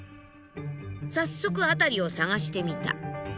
早速辺りを探してみた。